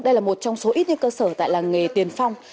đây là một trong số ít những cơ sở tại làng nghề tiền phong